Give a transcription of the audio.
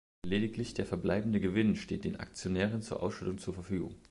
Lediglich der verbleibende Gewinn steht den Aktionären zur Ausschüttung zur Verfügung.